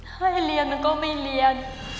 ใครเรียนมันก็ไม่เรียน